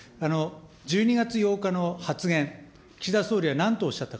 １２月８日の発言、岸田総理はなんとおっしゃったか。